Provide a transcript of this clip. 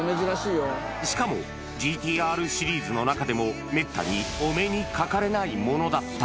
しかもＧＴーＲシリーズの中でも、めったにお目にかかれないものだ